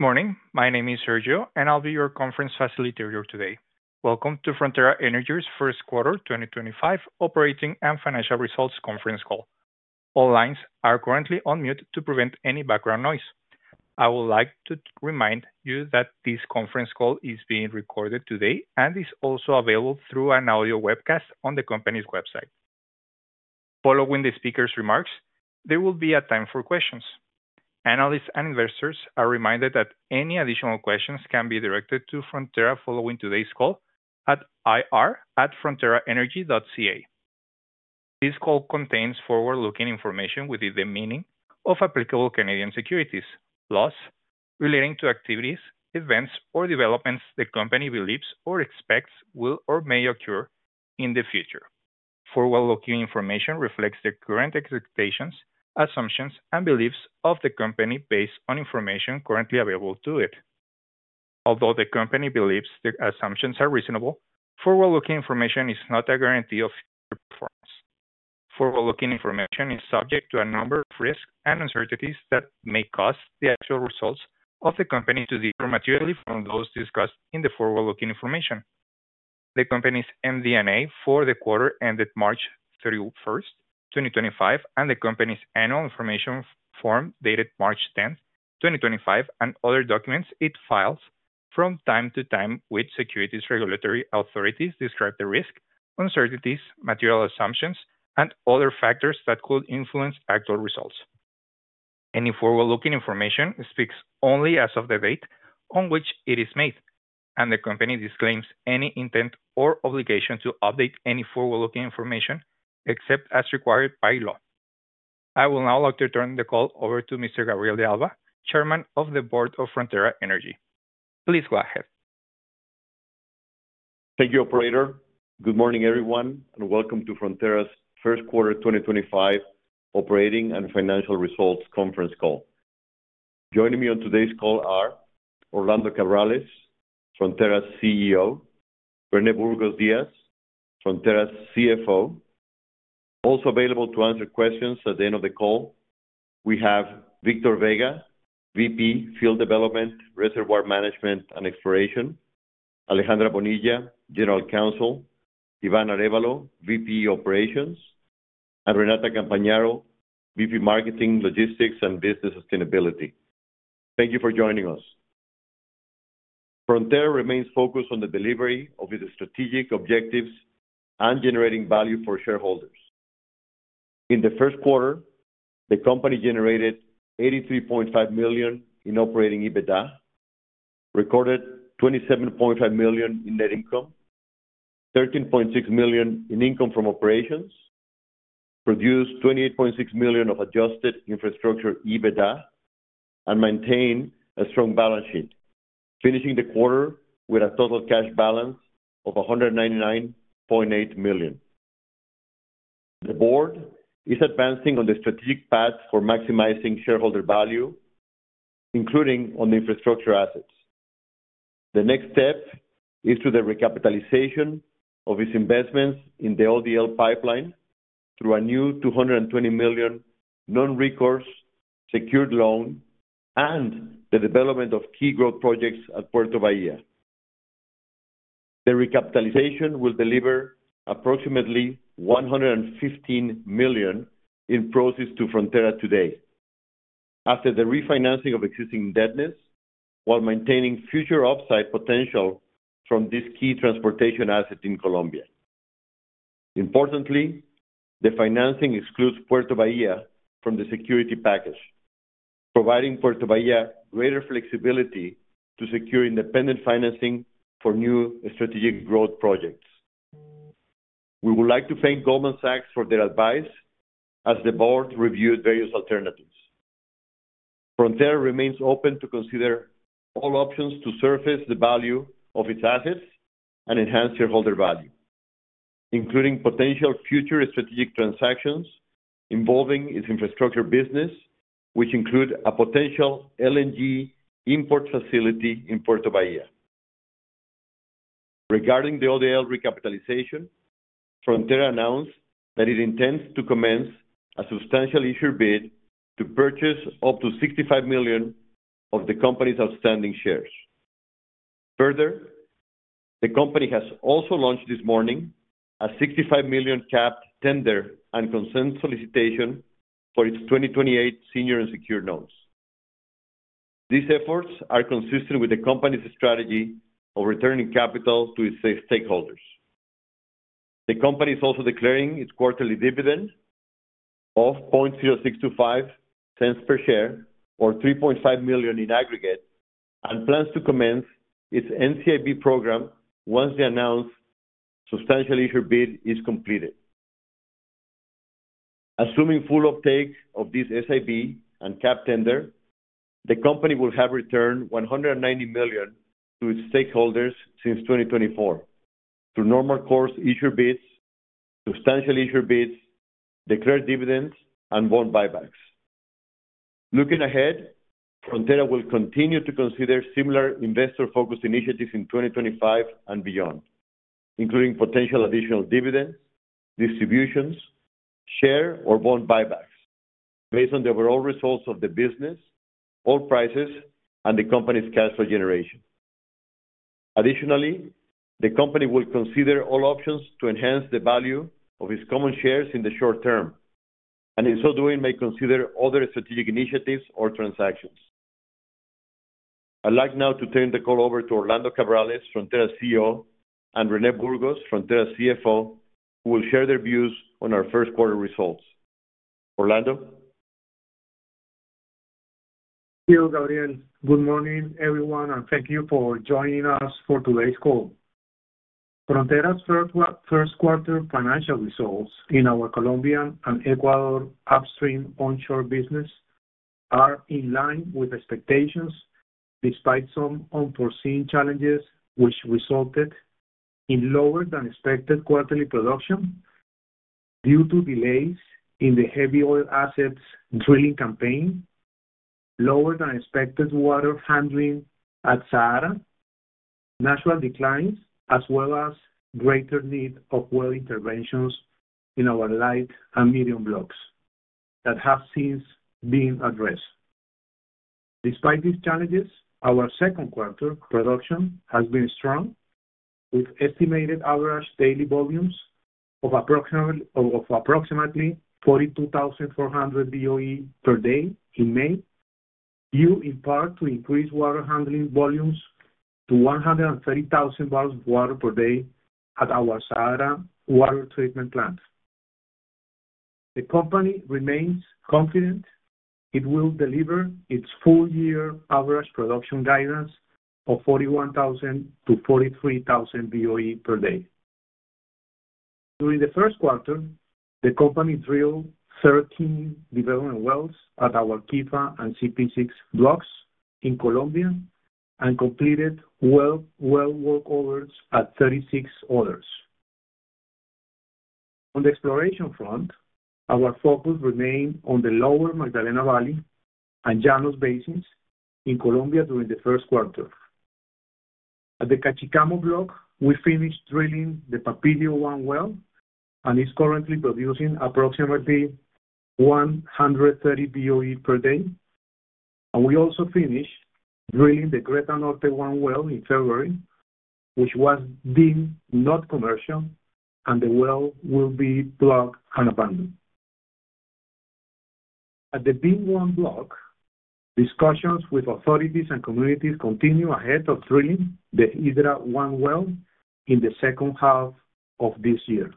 Morning. My name is Sergio, and I'll be your Conference Facilitator today. Welcome to Frontera Energy's First Quarter 2025 operating and financial results conference call. All lines are currently on mute to prevent any background noise. I would like to remind you that this conference call is being recorded today and is also available through an audio webcast on the company's website. Following the speaker's remarks, there will be a time for questions. Analysts and investors are reminded that any additional questions can be directed to Frontera following today's call at ir@fronteraenergy.ca. This call contains forward-looking information within the meaning of applicable Canadian securities laws relating to activities, events, or developments the company believes or expects will or may occur in the future. Forward-looking information reflects the current expectations, assumptions, and beliefs of the company based on information currently available to it. Although the company believes the assumptions are reasonable, forward-looking information is not a guarantee of future performance. Forward-looking information is subject to a number of risks and uncertainties that may cause the actual results of the company to differ materially from those discussed in the forward-looking information. The company's MD&A for the quarter ended March 31st, 2025, and the company's annual information form dated March 10th, 2025, and other documents it files from time to time with securities regulatory authorities describe the risk, uncertainties, material assumptions, and other factors that could influence actual results. Any forward-looking information speaks only as of the date on which it is made, and the company disclaims any intent or obligation to update any forward-looking information except as required by law. I will now like to turn the call over to Mr. Gabriel de Alba, Chairman of the Board of Frontera Energy. Please go ahead. Thank you, Operator. Good morning, everyone, and welcome to Frontera's First Quarter 2025 Operating and Financial Results Conference Call. Joining me on today's call are Orlando Cabrales, Frontera's CEO, and Rene Burgos Díaz, Frontera's CFO. Also available to answer questions at the end of the call, we have Victor Vega, VP Field Development, Reservoir Management and Exploration, Alejandra Bonilla, General Counsel, Ivana Arevalo, VP Operations, and Renata Campagnaro, VP Marketing, Logistics, and Business Sustainability. Thank you for joining us. Frontera remains focused on the delivery of its strategic objectives and generating value for shareholders. In the first quarter, the company generated $83.5 million in operating EBITDA, recorded $27.5 million in net income, $13.6 million in income from operations, produced $28.6 million of Adjusted Infrastructure EBITDA, and maintained a strong balance sheet, finishing the quarter with a total cash balance of $199.8 million. The board is advancing on the strategic path for maximizing shareholder value, including on the infrastructure assets. The next step is the recapitalization of its investments in the ODL pipeline through a new $220 million non-recourse secured loan and the development of key growth projects at Puerto Bahia. The recapitalization will deliver approximately $115 million in proceeds to Frontera today, after the refinancing of existing debtness, while maintaining future upside potential from this key transportation asset in Colombia. Importantly, the financing excludes Puerto Bahia from the security package, providing Puerto Bahia greater flexibility to secure independent financing for new strategic growth projects. We would like to thank Goldman Sachs for their advice as the board reviewed various alternatives. Frontera remains open to consider all options to surface the value of its assets and enhance shareholder value, including potential future strategic transactions involving its infrastructure business, which include a potential LNG import facility in Puerto Bahia. Regarding the ODL recapitalization, Frontera announced that it intends to commence a substantial issuer bid to purchase up to $65 million of the company's outstanding shares. Further, the company has also launched this morning a $65 million capped tender and consent solicitation for its 2028 senior and secure notes. These efforts are consistent with the company's strategy of returning capital to its stakeholders. The company is also declaring its quarterly dividend of $0.0625 per share, or $3.5 million in aggregate, and plans to commence its NCIB program once the announced substantial issuer bid is completed. Assuming full uptake of this SIB and cap tender, the company will have returned $190 million to its stakeholders since 2024 through normal course issuer bids, substantial issuer bids, declared dividends, and bond buybacks. Looking ahead, Frontera will continue to consider similar investor-focused initiatives in 2025 and beyond, including potential additional dividends, distributions, share, or bond buybacks based on the overall results of the business, oil prices, and the company's cash flow generation. Additionally, the company will consider all options to enhance the value of its common shares in the short term, and in so doing, may consider other strategic initiatives or transactions. I'd like now to turn the call over to Orlando Cabrales, Frontera CEO, and Rene Burgos, Frontera CFO, who will share their views on our first quarter results. Orlando? Thank you, Gabriel. Good morning, everyone, and thank you for joining us for today's call. Frontera's first quarter financial results in our Colombian and Ecuador upstream onshore business are in line with expectations despite some unforeseen challenges, which resulted in lower than expected quarterly production due to delays in the heavy oil assets drilling campaign, lower than expected water handling at Sahara, natural declines, as well as greater need of well interventions in our light and medium blocks that have since been addressed. Despite these challenges, our second quarter production has been strong, with estimated average daily volumes of approximately 42,400 BOE per day in May, due in part to increased water handling volumes to 130,000 bottles of water per day at our Sahara water treatment plant. The company remains confident it will deliver its full-year average production guidance of 41,000-43,000 BOE per day. During the first quarter, the company drilled 13 development wells at our KIFA and CP6 blocks in Colombia and completed well work orders at 36 others. On the exploration front, our focus remained on the Lower Magdalena Valley and Llanos basins in Colombia during the first quarter. At the Cachicamo block, we finished drilling the Papilio I well and it is currently producing approximately 130 BOE per day. We also finished drilling the Greta Norte I well in February, which was deemed not commercial, and the well will be plugged and abandoned. At the BIN I block, discussions with authorities and communities continue ahead of drilling the Hydra I well in the second half of this year.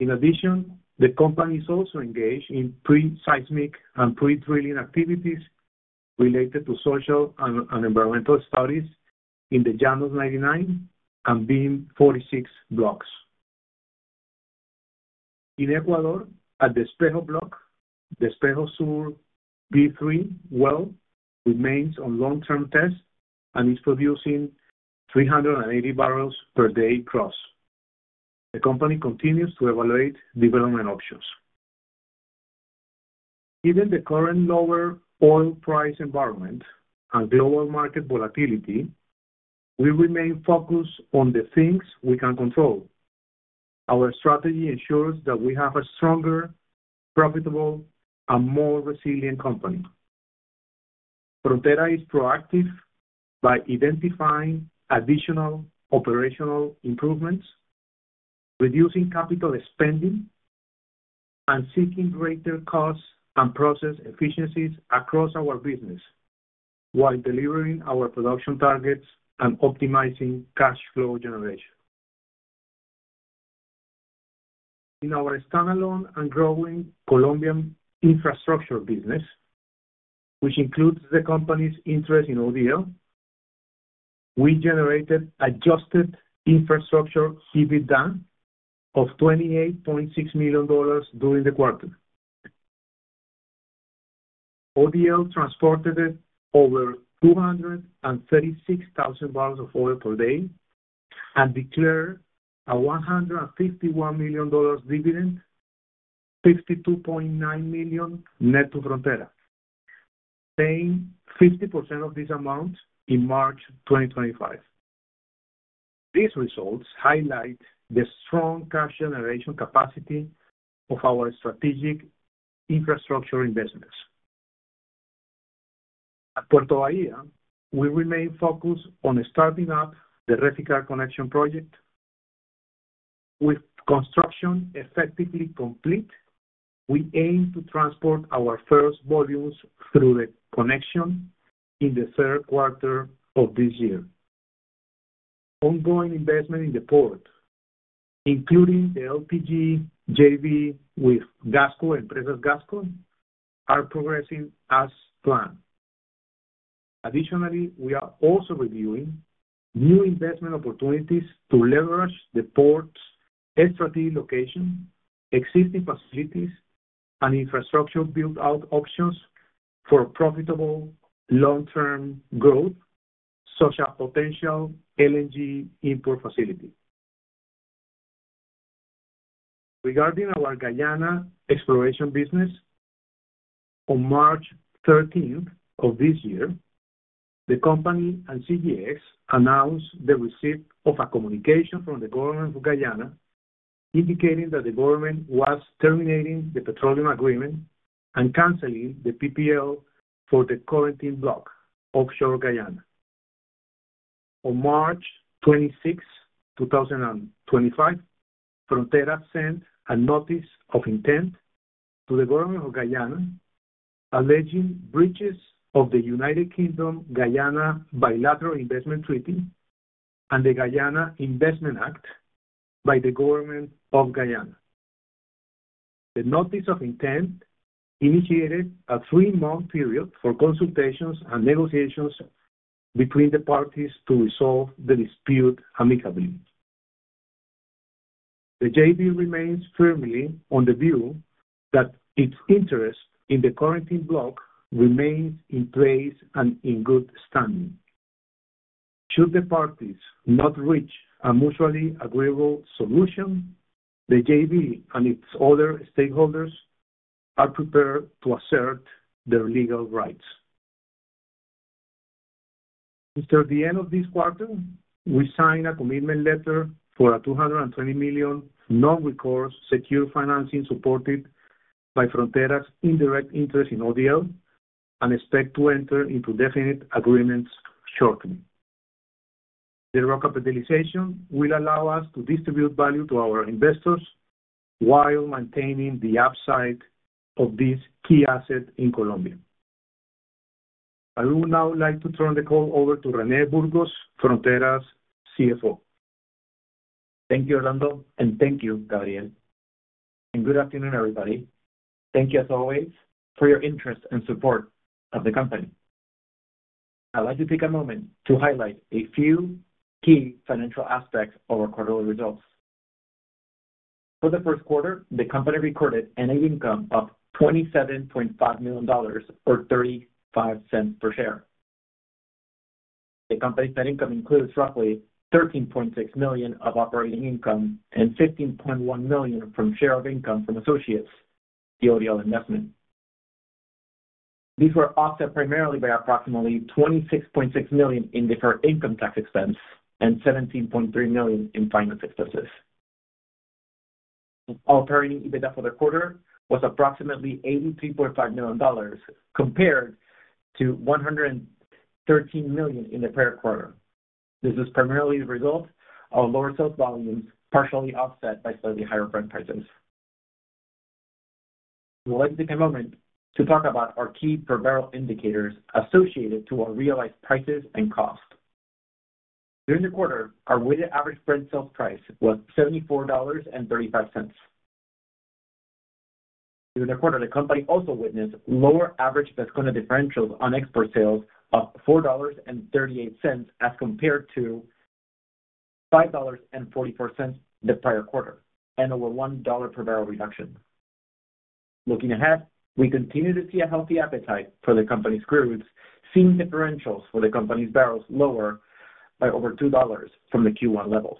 In addition, the company is also engaged in pre-seismic and pre-drilling activities related to social and environmental studies in the Llanos 99 and BIN 46 blocks. In Ecuador, at the Espejo block, the Espejo Sur B3 well remains on long-term test and is producing 380 barrels per day gross. The company continues to evaluate development options. Given the current lower oil price environment and global market volatility, we remain focused on the things we can control. Our strategy ensures that we have a stronger, profitable, and more resilient company. Frontera is proactive by identifying additional operational improvements, reducing capital spending, and seeking greater cost and process efficiencies across our business while delivering our production targets and optimizing cash flow generation. In our standalone and growing Colombian infrastructure business, which includes the company's interest in ODL, we generated Adjusted Infrastructure EBITDA of $28.6 million during the quarter. ODL transported over 236,000 barrels of oil per day and declared a $151 million dividend, $52.9 million net to Frontera, paying 50% of this amount in March 2025. These results highlight the strong cash generation capacity of our strategic infrastructure investments. At Puerto Bahia, we remain focused on starting up the Reficar connection project. With construction effectively complete, we aim to transport our first volumes through the connection in the third quarter of this year. Ongoing investment in the port, including the LPG JV with Gasco Empresas Gascón, are progressing as planned. Additionally, we are also reviewing new investment opportunities to leverage the port's SRT location, existing facilities, and infrastructure build-out options for profitable long-term growth, such as potential LNG import facility. Regarding our Guyana exploration business, on March 13 of this year, the company and CGX announced the receipt of a communication from the government of Guyana indicating that the government was terminating the petroleum agreement and canceling the PPL for the current block offshore Guyana. On March 26, 2025, Frontera sent a notice of intent to the government of Guyana alleging breaches of the U.K.-Guyana Bilateral Investment Treaty and the Guyana Investment Act by the government of Guyana. The notice of intent initiated a three-month period for consultations and negotiations between the parties to resolve the dispute amicably. The JV remains firmly on the view that its interest in the current block remains in place and in good standing. Should the parties not reach a mutually agreeable solution, the JV and its other stakeholders are prepared to assert their legal rights. After the end of this quarter, we signed a commitment letter for a $220 million non-recourse secure financing supported by Frontera's indirect interest in ODL and expect to enter into definite agreements shortly. The recapitalization will allow us to distribute value to our investors while maintaining the upside of this key asset in Colombia. I would now like to turn the call over to Rene Burgos, Frontera's CFO. Thank you, Orlando, thank you, Gabriel. Good afternoon, everybody. Thank you, as always, for your interest and support of the company. I'd like to take a moment to highlight a few key financial aspects of our quarterly results. For the first quarter, the company recorded net income of $27.5 million, or $0.35 per share. The company's net income includes roughly $13.6 million of operating income and $15.1 million from share of income from associates, the ODL investment. These were offset primarily by approximately $26.6 million in deferred income tax expense and $17.3 million in finance expenses. Operating EBITDA for the quarter was approximately $83.5 million compared to $113 million in the prior quarter. This is primarily the result of lower sales volumes partially offset by slightly higher Brent prices. I would like to take a moment to talk about our key per barrel indicators associated to our realized prices and cost. During the quarter, our weighted average Brent sales price was $74.35. During the quarter, the company also witnessed lower average Vasconia differentials on export sales of $4.38 as compared to $5.44 the prior quarter and over $1 per barrel reduction. Looking ahead, we continue to see a healthy appetite for the company's crudes, seeing differentials for the company's barrels lower by over $2 from the Q1 levels.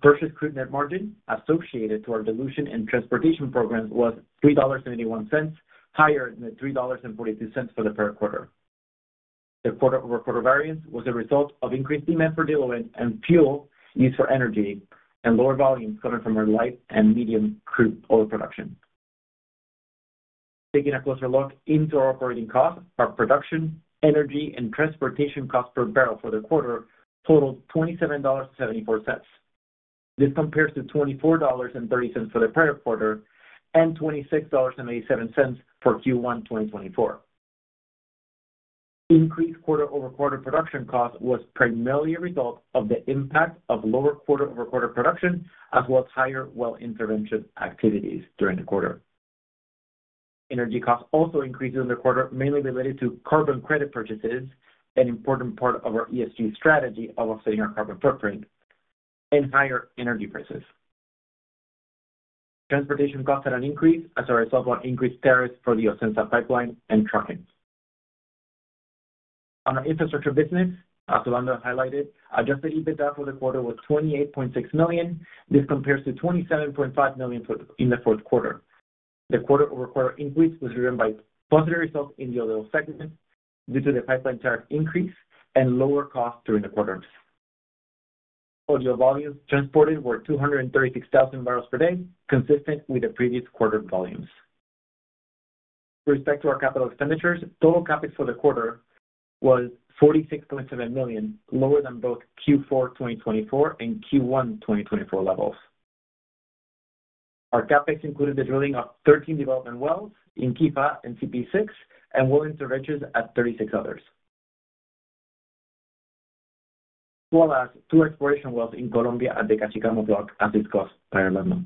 Purchased crude net margin associated to our dilution and transportation programs was $3.71, higher than the $3.42 for the prior quarter. The quarter-over-quarter variance was a result of increased demand for diluent and fuel used for energy and lower volumes coming from our light and medium crude oil production. Taking a closer look into our operating costs, our production, energy, and transportation costs per barrel for the quarter totaled $27.74. This compares to $24.30 for the prior quarter and $26.87 for Q1 2024. Increased quarter-over-quarter production costs was primarily a result of the impact of lower quarter-over-quarter production, as well as higher well intervention activities during the quarter. Energy costs also increased during the quarter, mainly related to carbon credit purchases, an important part of our ESG strategy of offsetting our carbon footprint, and higher energy prices. Transportation costs had an increase as our results increased tariffs for the Osensa pipeline and trucking. On our infrastructure business, as Orlando highlighted, Adjusted EBITDA for the quarter was $28.6 million. This compares to $27.5 million in the fourth quarter. The quarter-over-quarter increase was driven by positive results in the oil segment due to the pipeline tariff increase and lower costs during the quarter. Oil volumes transported were 236,000 barrels per day, consistent with the previous quarter volumes. With respect to our capital expenditures, total CapEx for the quarter was $46.7 million, lower than both Q4 2024 and Q1 2024 levels. Our CapEx included the drilling of 13 development wells in KIFA and CP6 and well interventions at 36 others, as well as two exploration wells in Colombia at the Cachicamo block, as discussed by Orlando.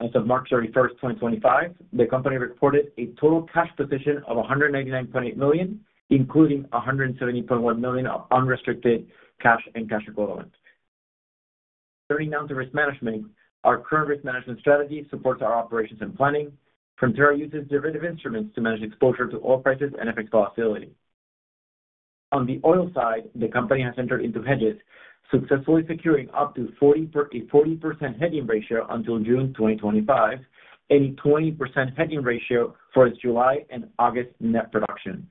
As of March 31st, 2025, the company reported a total cash position of $199.8 million, including $170.1 million of unrestricted cash and cash equivalent. Turning now to risk management, our current risk management strategy supports our operations and planning. Frontera uses derivative instruments to manage exposure to oil prices and affect volatility. On the oil side, the company has entered into hedges, successfully securing up to a 40% hedging ratio until June 2025 and a 20% hedging ratio for its July and August net production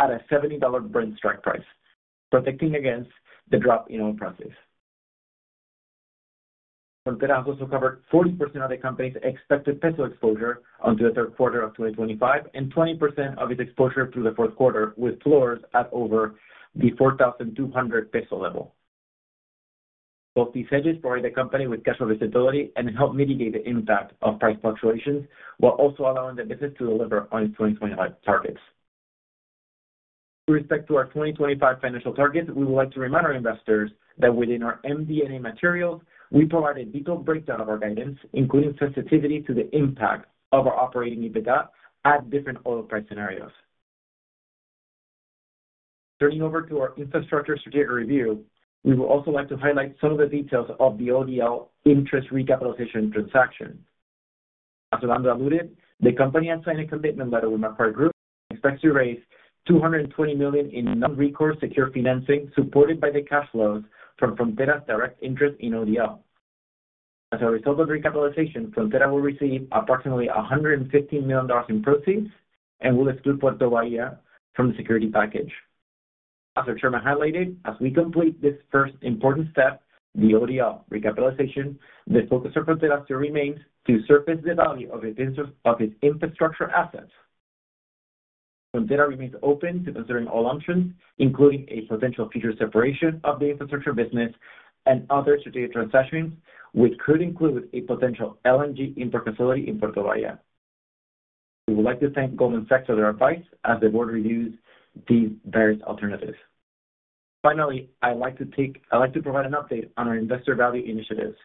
at a $70 Brent strike price, protecting against the drop in oil prices. Frontera has also covered 40% of the company's expected peso exposure until the third quarter of 2025 and 20% of its exposure through the fourth quarter, with floors at over the COP 4,200 peso level. Both these hedges provide the company with cash flow visibility and help mitigate the impact of price fluctuations while also allowing the business to deliver on its 2025 targets. With respect to our 2025 financial targets, we would like to remind our investors that within our MD&A materials, we provide a detailed breakdown of our guidance, including sensitivity to the impact of our operating EBITDA at different oil price scenarios. Turning over to our infrastructure strategic review, we would also like to highlight some of the details of the ODL interest recapitalization transaction. As Orlando alluded, the company has signed a commitment letter with Macquarie Group and expects to raise $220 million in non-recourse secure financing supported by the cash flows from Frontera's direct interest in ODL. As a result of recapitalization, Frontera will receive approximately $115 million in proceeds and will exclude Puerto Bahia from the security package. As our Chairman highlighted, as we complete this first important step, the ODL recapitalization, the focus of Frontera still remains to surface the value of its infrastructure assets. Frontera remains open to considering all options, including a potential future separation of the infrastructure business and other strategic transactions, which could include a potential LNG import facility in Puerto Bahia. We would like to thank Goldman Sachs for their advice as the board reviews these various alternatives. Finally, I'd like to provide an update on our investor value initiatives.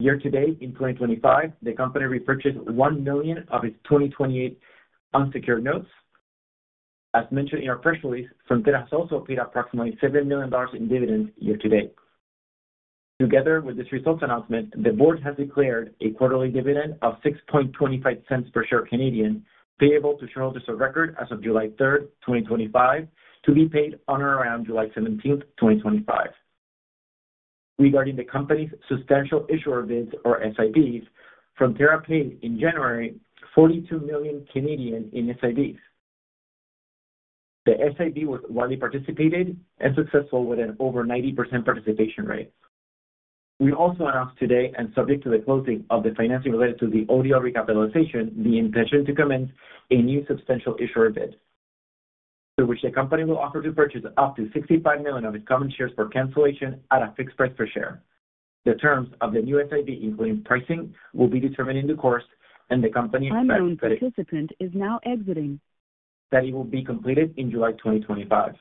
Year to date, in 2025, the company repurchased $1 million of its 2028 unsecured notes. As mentioned in our press release, Frontera has also paid approximately $7 million in dividends year to date. Together with this results announcement, the board has declared a quarterly dividend of 6.25 per share, payable to shareholders of record as of July 3rd, 2025, to be paid on or around July 17th, 2025. Regarding the company's substantial issuer bids, or SIBs, Frontera paid in January CAD 42 million in SIBs. The SIB was widely participated and successful with an over 90% participation rate. We also announced today, and subject to the closing of the financing related to the ODL recapitalization, the intention to commence a new substantial issuer bid, through which the company will offer to purchase up to $65 million of its common shares for cancellation at a fixed price per share. The terms of the new SIB, including pricing, will be determined in due course, and the company. Final participant is now exiting. That it will be completed in July 2025.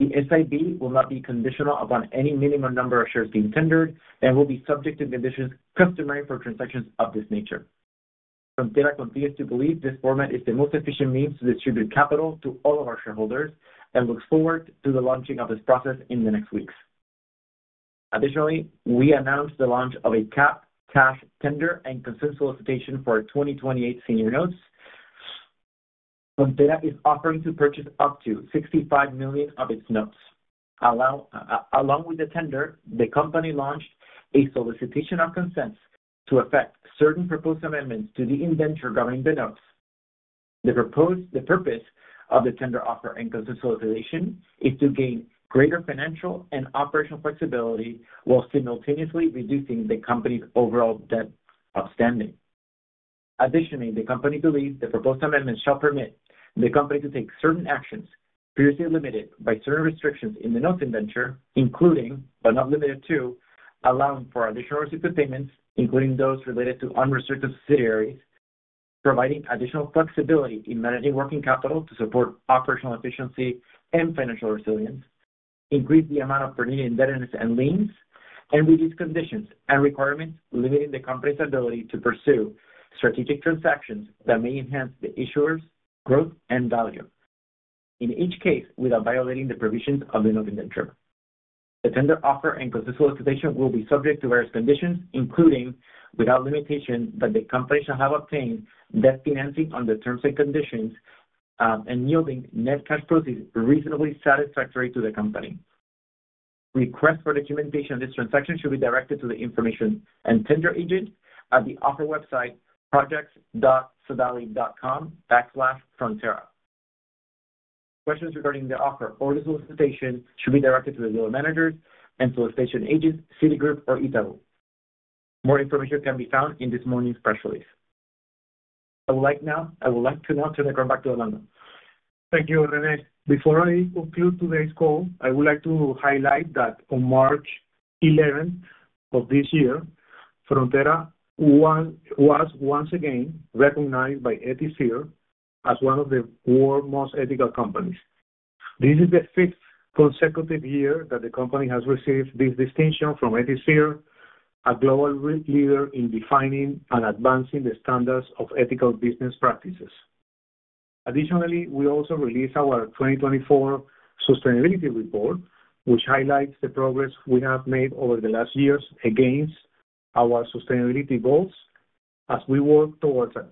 The SIB will not be conditional upon any minimum number of shares being tendered and will be subject to conditions customary for transactions of this nature. Frontera continues to believe this format is the most efficient means to distribute capital to all of our shareholders and looks forward to the launching of this process in the next weeks. Additionally, we announced the launch of a cash tender and consent solicitation for 2028 senior notes. Frontera is offering to purchase up to $65 million of its notes. Along with the tender, the company launched a solicitation of consents to effect certain proposed amendments to the indenture governing the notes. The purpose of the tender offer and consent solicitation is to gain greater financial and operational flexibility while simultaneously reducing the company's overall debt outstanding. Additionally, the company believes the proposed amendments shall permit the company to take certain actions previously limited by certain restrictions in the notes inventory, including, but not limited to, allowing for additional restricted payments, including those related to unrestricted subsidiaries, providing additional flexibility in managing working capital to support operational efficiency and financial resilience, increase the amount of per-unit indebtedness and liens, and reduce conditions and requirements limiting the company's ability to pursue strategic transactions that may enhance the issuer's growth and value, in each case without violating the provisions of the notes inventory. The tender offer and consent solicitation will be subject to various conditions, including without limitation, that the company shall have obtained debt financing on the terms and conditions and yielding net cash proceeds reasonably satisfactory to the company. Requests for documentation of these transactions should be directed to the information and tender agent at the offer website, projects.sodali.com/frontera. Questions regarding the offer or the solicitation should be directed to the dealer managers and solicitation agents, Citigroup or Itaú. More information can be found in this morning's press release. I would like to now turn the crown back to Orlando. Thank you, René. Before I conclude today's call, I would like to highlight that on March 11 of this year, Frontera was once again recognized by Ethisphere as one of the world's most ethical companies. This is the fifth consecutive year that the company has received this distinction from Ethisphere, a global leader in defining and advancing the standards of ethical business practices. Additionally, we also released our 2024 sustainability report, which highlights the progress we have made over the last years against our sustainability goals as we work towards a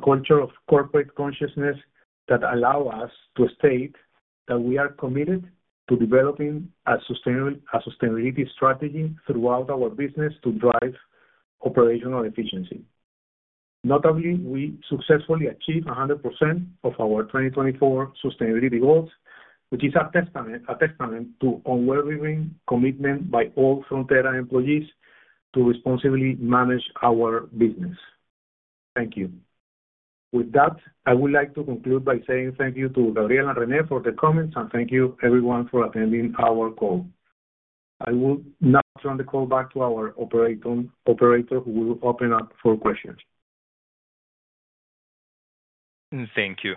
culture of corporate consciousness that allows us to state that we are committed to developing a sustainability strategy throughout our business to drive operational efficiency. Notably, we successfully achieved 100% of our 2024 sustainability goals, which is a testament to unwavering commitment by all Frontera employees to responsibly manage our business. Thank you. With that, I would like to conclude by saying thank you to Gabriel and René for the comments, and thank you everyone for attending our call. I will now turn the call back to our operator, who will open up for questions. Thank you.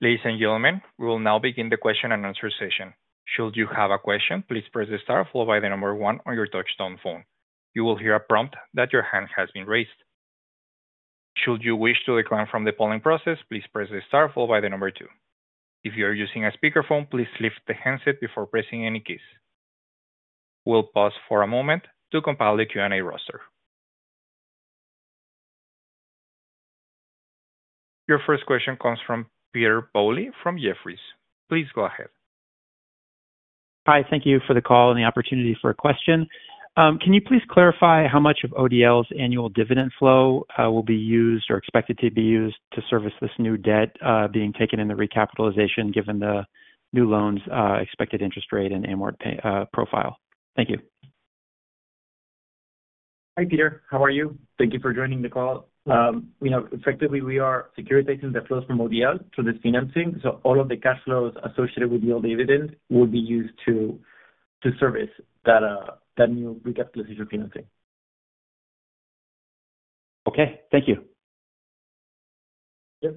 Ladies and gentlemen, we will now begin the question and answer session. Should you have a question, please press the star followed by the number one on your touchstone phone. You will hear a prompt that your hand has been raised. Should you wish to decline from the polling process, please press the star followed by the number two. If you are using a speakerphone, please lift the handset before pressing any keys. We'll pause for a moment to compile the Q&A roster. Your first question comes from Peter Bowley from Jefferies. Please go ahead. Hi, thank you for the call and the opportunity for a question. Can you please clarify how much of ODL's annual dividend flow will be used or expected to be used to service this new debt being taken in the recapitalization, given the new loans' expected interest rate and amortization profile? Thank you. Hi, Peter. How are you? Thank you for joining the call. Effectively, we are securitizing the flows from ODL to this financing, so all of the cash flows associated with the ODL dividend will be used to service that new recapitalization financing. Okay, thank you. Yep.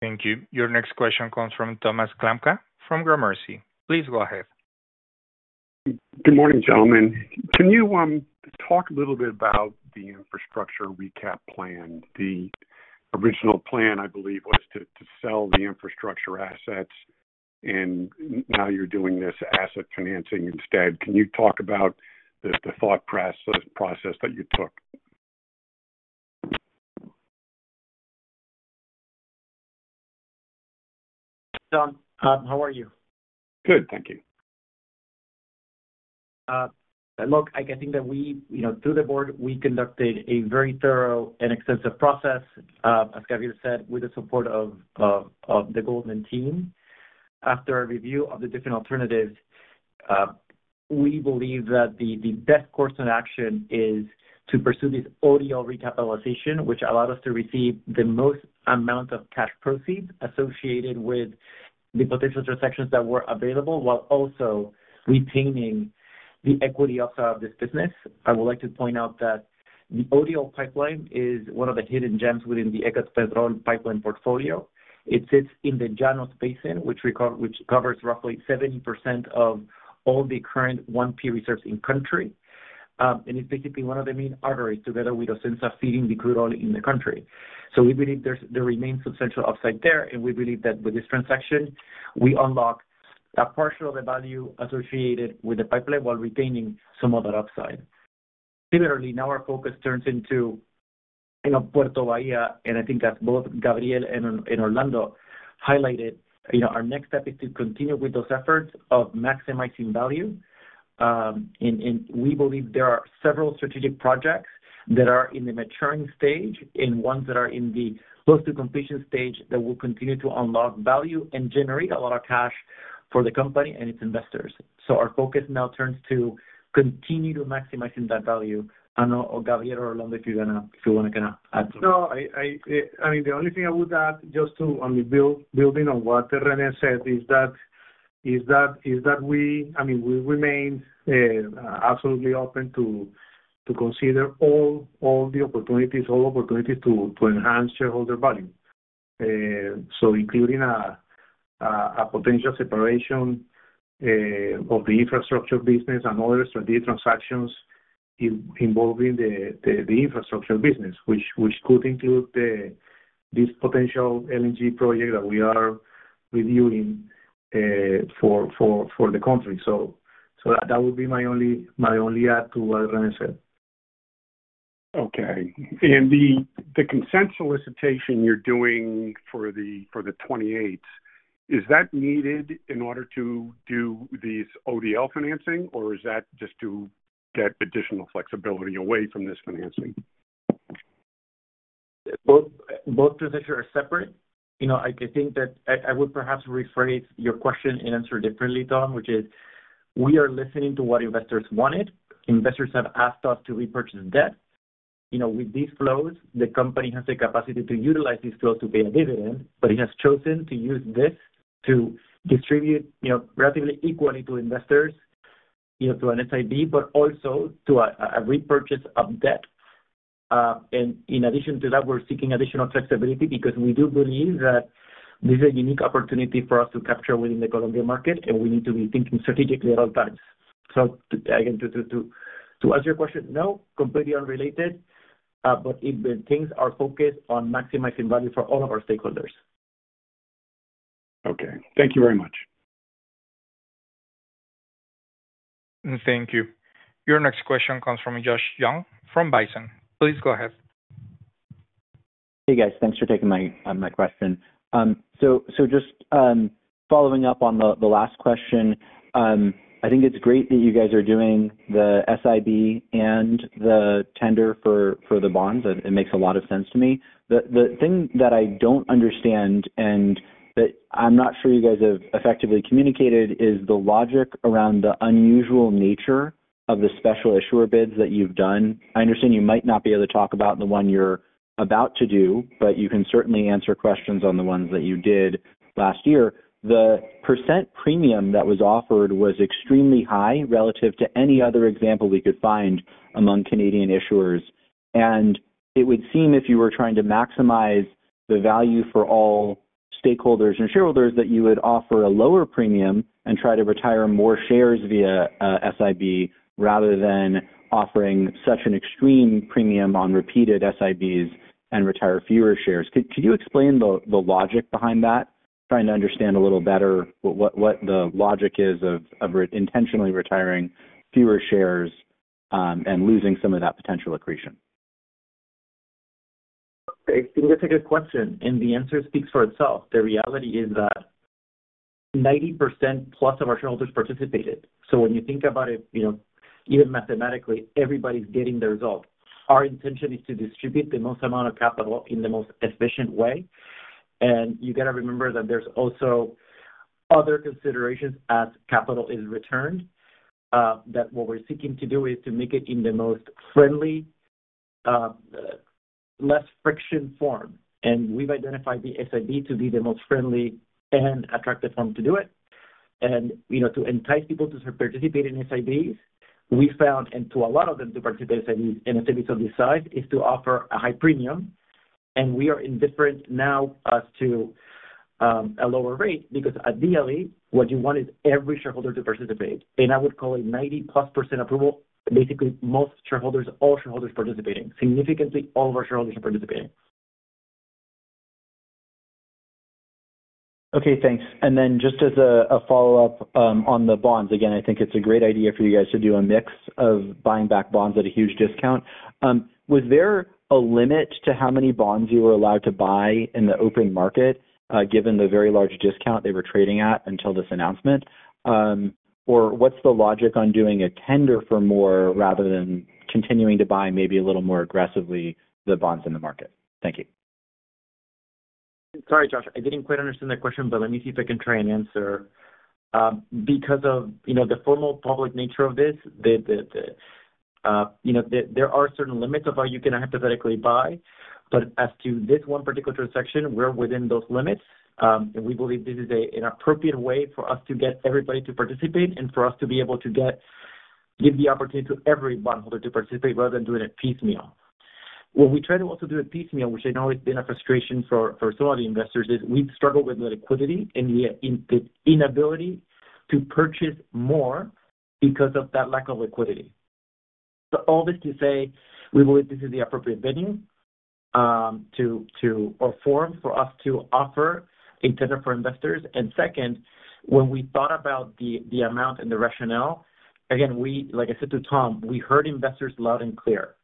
Thank you. Your next question comes from Thomas Klamka from Gramercy. Please go ahead. Good morning, gentlemen. Can you talk a little bit about the infrastructure recap plan? The original plan, I believe, was to sell the infrastructure assets, and now you're doing this asset financing instead. Can you talk about the thought process that you took? John, how are you? Good, thank you. Look, I think that through the board, we conducted a very thorough and extensive process, as Gabriel said, with the support of the Goldman team. After a review of the different alternatives, we believe that the best course of action is to pursue this ODL recapitalization, which allowed us to receive the most amount of cash proceeds associated with the potential transactions that were available while also retaining the equity outside of this business. I would like to point out that the ODL pipeline is one of the hidden gems within the Ecopetrol pipeline portfolio. It sits in the Llanos Basin, which covers roughly 70% of all the current 1P reserves in country, and it is basically one of the main arteries together with Osensa feeding the crude oil in the country. We believe there remains substantial upside there, and we believe that with this transaction, we unlock a partial of the value associated with the pipeline while retaining some of that upside. Similarly, now our focus turns into Puerto Bahia, and I think as both Gabriel and Orlando highlighted, our next step is to continue with those efforts of maximizing value. We believe there are several strategic projects that are in the maturing stage and ones that are in the close-to-completion stage that will continue to unlock value and generate a lot of cash for the company and its investors. Our focus now turns to continue to maximize that value. I do not know, Gabriel or Orlando, if you want to kind of add. No, I mean, the only thing I would add just to, on building on what René said, is that we, I mean, we remain absolutely open to consider all the opportunities, all opportunities to enhance shareholder value. Including a potential separation of the infrastructure business and other strategic transactions involving the infrastructure business, which could include this potential LNG project that we are reviewing for the country. That would be my only add to what René said. Okay. The consent solicitation you're doing for the '28s, is that needed in order to do this ODL financing, or is that just to get additional flexibility away from this financing? Both transactions are separate. I think that I would perhaps rephrase your question and answer differently, Tom, which is we are listening to what investors wanted. Investors have asked us to repurchase debt. With these flows, the company has the capacity to utilize these flows to pay a dividend, but it has chosen to use this to distribute relatively equally to investors, to an SIB, but also to a repurchase of debt. In addition to that, we are seeking additional flexibility because we do believe that this is a unique opportunity for us to capture within the Colombian market, and we need to be thinking strategically at all times. Again, to answer your question, no, completely unrelated, but it maintains our focus on maximizing value for all of our stakeholders. Okay. Thank you very much. Thank you. Your next question comes from Josh Young from Bison. Please go ahead. Hey, guys. Thanks for taking my question. Just following up on the last question, I think it is great that you guys are doing the SIB and the tender for the bonds. It makes a lot of sense to me. The thing that I do not understand, and that I am not sure you guys have effectively communicated, is the logic around the unusual nature of the special issuer bids that you have done. I understand you might not be able to talk about the one you are about to do, but you can certainly answer questions on the ones that you did last year. The percent premium that was offered was extremely high relative to any other example we could find among Canadian issuers. It would seem if you were trying to maximize the value for all stakeholders and shareholders that you would offer a lower premium and try to retire more shares via SIB rather than offering such an extreme premium on repeated SIBs and retire fewer shares. Could you explain the logic behind that? Trying to understand a little better what the logic is of intentionally retiring fewer shares and losing some of that potential accretion. Okay. I think that's a good question, and the answer speaks for itself. The reality is that 90% plus of our shareholders participated. When you think about it, even mathematically, everybody's getting the result. Our intention is to distribute the most amount of capital in the most efficient way. You got to remember that there's also other considerations as capital is returned, that what we're seeking to do is to make it in the most friendly, less friction form. We've identified the SIB to be the most friendly and attractive form to do it. To entice people to participate in SIBs, we found, and to allow them to participate in SIBs of this size, is to offer a high premium. We are indifferent now as to a lower rate because ideally, what you want is every shareholder to participate. I would call it 90% plus approval, basically most shareholders, all shareholders participating. Significantly, all of our shareholders are participating. Okay, thanks. Just as a follow-up on the bonds, again, I think it's a great idea for you guys to do a mix of buying back bonds at a huge discount. Was there a limit to how many bonds you were allowed to buy in the open market given the very large discount they were trading at until this announcement? What's the logic on doing a tender for more rather than continuing to buy maybe a little more aggressively the bonds in the market? Thank you. Sorry, Josh. I didn't quite understand that question, but let me see if I can try and answer. Because of the formal public nature of this, there are certain limits of how you can hypothetically buy. As to this one particular transaction, we're within those limits. We believe this is an appropriate way for us to get everybody to participate and for us to be able to give the opportunity to every bondholder to participate rather than doing it piecemeal. What we try to also do at piecemeal, which I know has been a frustration for some of the investors, is we've struggled with the liquidity and the inability to purchase more because of that lack of liquidity. All this to say, we believe this is the appropriate venue or form for us to offer a tender for investors. When we thought about the amount and the rationale, again, like I said to Tom, we heard investors loud and clear.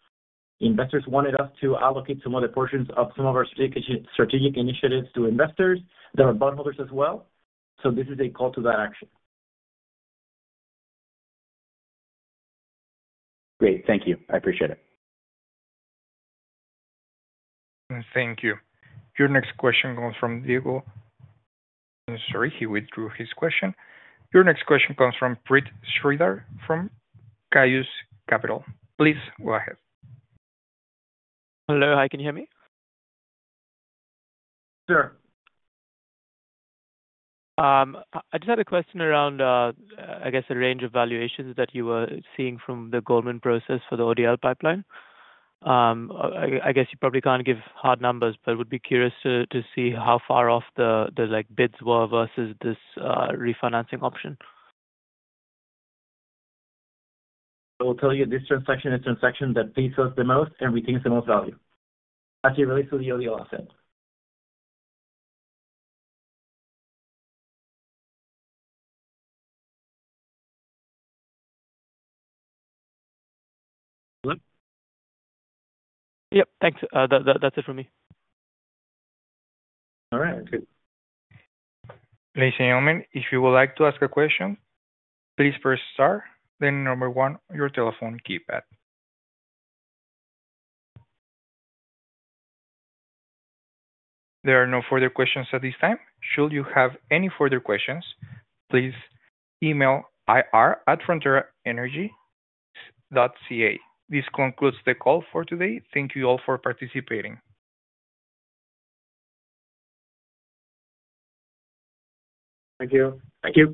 Investors wanted us to allocate some of the portions of some of our strategic initiatives to investors that are bondholders as well. This is a call to that action. Great. Thank you. I appreciate it. Thank you. Your next question comes from Diego. Sorry, he withdrew his question. Your next question comes from Preet Shreedhar from Cayuse Capital. Please go ahead. Hello. Hi, can you hear me? Sure. I just had a question around, I guess, the range of valuations that you were seeing from the Goldman process for the ODL pipeline. I guess you probably can't give hard numbers, but I would be curious to see how far off the bids were versus this refinancing option. I will tell you this transaction is a transaction that pays us the most and retains the most value as it relates to the ODL asset. Hello? Yep, thanks. That's it for me. All right. Ladies and gentlemen, if you would like to ask a question, please press star then number one on your telephone keypad. There are no further questions at this time. Should you have any further questions, please email ir@fronteraenergy.ca. This concludes the call for today. Thank you all for participating. Thank you. Thank you.